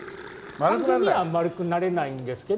完全には丸くなれないんですけど。